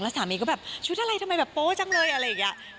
สามีก็แบบชุดอะไรทำไมแบบโป๊จังเลยอะไรอย่างนี้